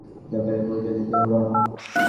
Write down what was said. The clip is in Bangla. জাকারিয়াকে পরিচয় দিতে হল না।